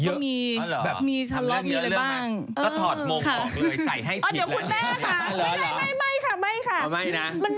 ทำงานเยอะมากต้องถอดโมงของเลยใส่ให้ผิดแล้วอ๋อเดี๋ยวคุณแม่ค่ะ